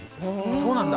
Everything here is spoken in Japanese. そうなんだ？